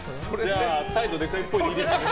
じゃあ、態度でかいっぽいでいいですね。